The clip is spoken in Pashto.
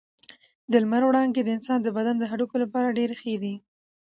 د لمر وړانګې د انسان د بدن د هډوکو لپاره ډېرې ښې دي.